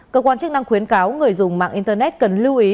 cơ quan chức năng khuyến cáo người dùng mạng internet cần lưu ý